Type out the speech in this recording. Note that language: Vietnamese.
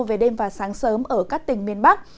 về đêm và sáng sớm ở các tỉnh miền bắc